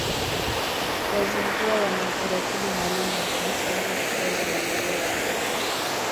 Wazigua wana utaratibu maalum wa kuhesabu hatua za maendeleo ya mtoto